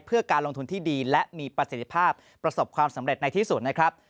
เพื่อการลงทุนที่ดีและมีประสิทธิภาพประสบความสำเร็จในที่สุดนะครับ